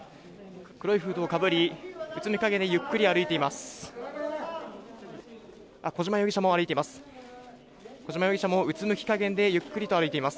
黒いフードをかぶり、うつむき加減にゆっくり歩いています。